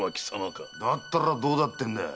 だったらどうだってんだ？